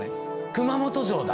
熊本城だ！